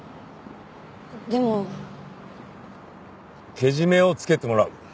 けじめをつけてもらう。